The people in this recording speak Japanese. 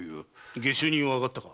下手人は挙がったか？